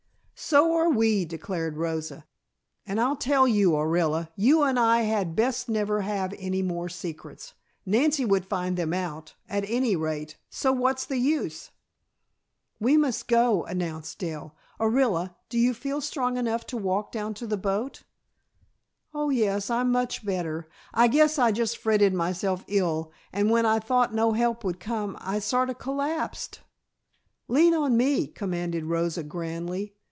"So are we," declared Rosa. "And I'll tell you, Orilla. You and I had best never have any more secrets. Nancy would find them out, at any rate, so what's the use?" "We must go," announced Dell. "Orilla, do you feel strong enough to walk down to the boat?" "Oh, yes, I'm much better. I guess I just fretted myself ill, and when I thought no help would come I sort of collapsed." "Lean on me," commanded Rosa grandly.